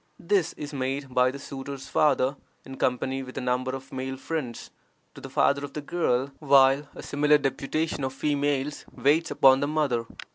This is made by the suitor's father, in company with a number of male friends, to the father of the girl, while a similar deputation of females waits upon the mother.